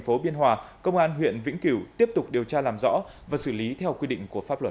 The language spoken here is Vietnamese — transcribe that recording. phố biên hòa công an huyện vĩnh cửu tiếp tục điều tra làm rõ và xử lý theo quy định của pháp luật